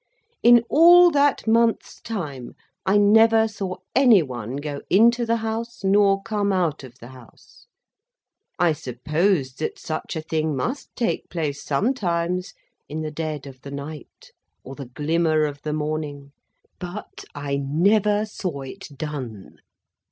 In all that month's time, I never saw anyone go into the House nor come out of the House. I supposed that such a thing must take place sometimes, in the dead of the night, or the glimmer of the morning; but, I never saw it done.